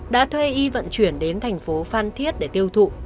đã thuê y vận chuyển đến thành phố phan thiết để tiêu thụ